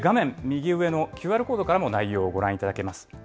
右上のＱＲコードからも内容をご覧いただけます。